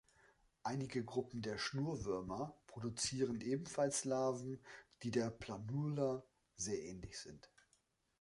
Einige Gruppen der Schnurwürmer produzieren ebenfalls Larven, die der Planula sehr ähnlich sind.